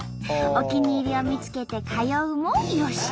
お気に入りを見つけて通うもよし。